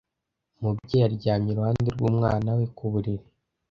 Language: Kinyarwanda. Umubyeyi aryamye iruhande rw'umwana we ku buriri.